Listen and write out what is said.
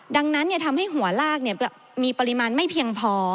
ดังนั้นทำให้หัวลากมีปริมาณไม่เพียงพอ